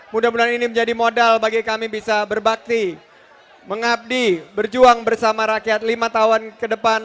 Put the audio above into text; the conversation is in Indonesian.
mudah mudahan ini menjadi modal bagi kami bisa berbakti mengabdi berjuang bersama rakyat lima tahun ke depan